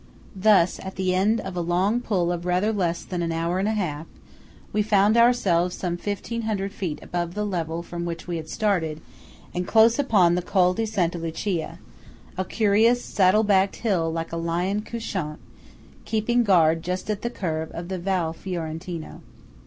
Thus at the end of a long pull of rather less than an hour and a half, we found ourselves some 1500 feet above the level from which we had started, and close upon the Col di Santa Lucia–a curious saddle backed hill like a lion couchant, keeping guard just at the curve of the Val Fiorentino.